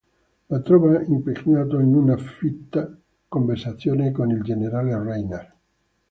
Lo trova impegnato in una fitta conversazione con il generale Reiner.